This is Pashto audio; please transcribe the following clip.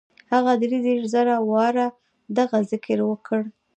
هغه دري دېرش زره واره دغه ذکر وکړ.